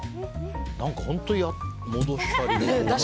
本当に戻したり。